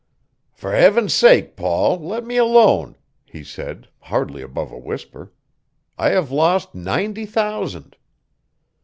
"For Heaven's sake, Paul, let me alone," he said, hardly above a whisper. "I have lost ninety thousand."